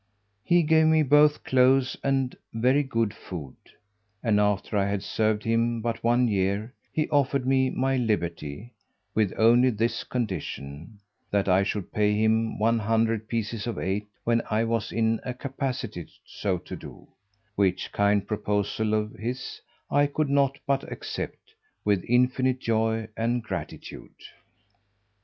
He gave me both clothes and very good food; and after I had served him but one year, he offered me my liberty, with only this condition, that I should pay him one hundred pieces of eight when I was in a capacity so to do; which kind proposal of his I could not but accept with infinite joy and gratitude.